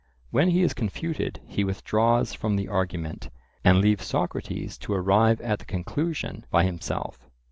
When he is confuted he withdraws from the argument, and leaves Socrates to arrive at the conclusion by himself.